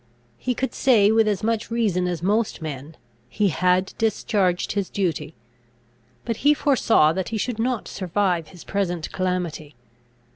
He could say, with as much reason as most men, he had discharged his duty. But he foresaw that he should not survive his present calamity.